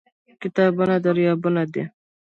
کتابونه دريابونه دي